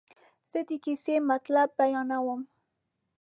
زه د کیسې مطلب بیانوم.